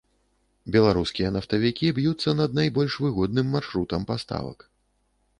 Беларускія нафтавікі б'юцца над найбольш выгодным маршрутам паставак.